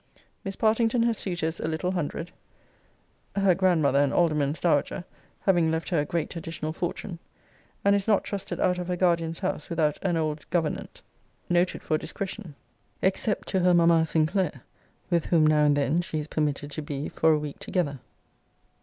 Miss Partington has suitors a little hundred (her grandmother, an alderman's dowager, having left her a great additional fortune,) and is not trusted out of her guardian's house without an old governante, noted for discretion, except to her Mamma Sinclair, with whom now and then she is permitted to be for a week together.